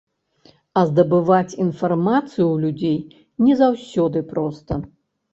А здабываць інфармацыю ў людзей не заўсёды проста.